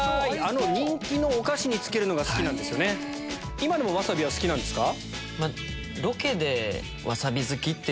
今でもワサビは好きなんですか？